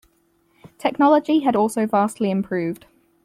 Technology had also vastly improved.